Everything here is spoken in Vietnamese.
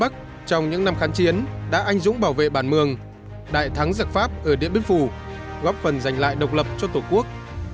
trong những năm khán chiến đã anh dũng bảo vệ bản mường đại thắng giặc pháp ở điện biên phủ góp phần giành lại độc lập cho tổ quốc